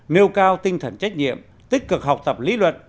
nêu cao tinh thần trách nhiệm tích cực học tập lý luận